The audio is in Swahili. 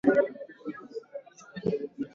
Kuko mama moya ule ari uza ma mpango kumi